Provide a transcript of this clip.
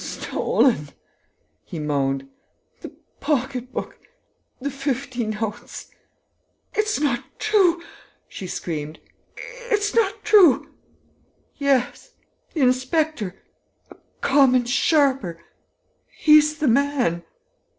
"Stolen!" he moaned. "The pocket book ... the fifty notes!..." "It's not true!" she screamed. "It's not true!" "Yes, the inspector ... a common sharper ... he's the man...."